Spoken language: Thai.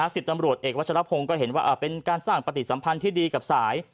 สิบตำรวจเอกวัชรพงศ์ก็เห็นว่าเป็นการสร้างปฏิสัมพันธ์ที่ดีกับสาย